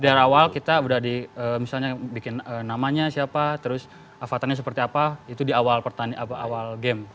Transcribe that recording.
jadi dari awal kita sudah di misalnya bikin namanya siapa terus avatarnya seperti apa itu di awal pertanian apa awal game